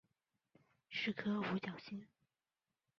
是颗五角星。